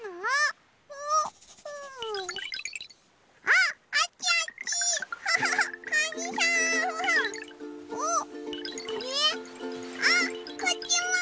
あっこっちも！